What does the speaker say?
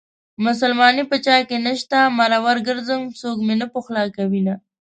مسلماني په چاكې نشته مرور ګرځم څوك مې نه پخولاكوينه